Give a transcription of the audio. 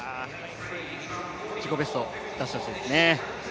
自己ベスト出してほしいですね。